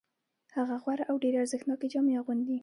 هغه غوره او ډېرې ارزښتناکې جامې اغوندي